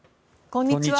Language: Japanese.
こんにちは。